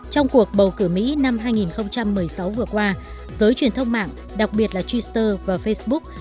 trong cuộc bầu cử mỹ năm hai nghìn một mươi sáu vừa qua giới truyền thông mạng đặc biệt là twitter và facebook